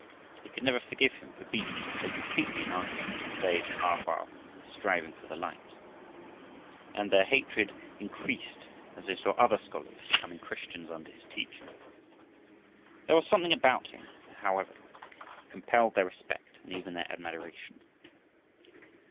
They could never forgive him for beating them so completely in argument, in the days when A Hoa was striving for the light, and their hatred increased as they saw other scholars becoming Christians under his teaching. There was something about him, however, that compelled their respect and even their admiration.